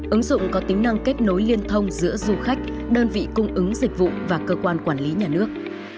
ứng dụng có tính năng kết nối liên thông giữa du khách đơn vị cung ứng dịch vụ và cơ quan quản lý nhà nước